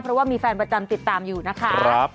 เพราะว่ามีแฟนประจำติดตามอยู่นะคะ